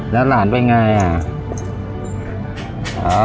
แล้วหลานเป็นไงอ่ะ